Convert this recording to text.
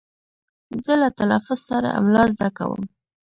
زه له تلفظ سره املا زده کوم.